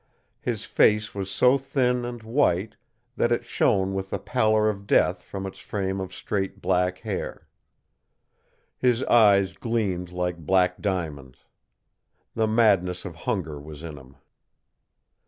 His face was so thin and white that it shone with the pallor of death from its frame of straight dark hair. His eyes gleamed like black diamonds. The madness of hunger was in him.